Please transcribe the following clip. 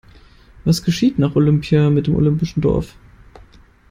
Was geschieht nach Olympia mit dem olympischen Dorf?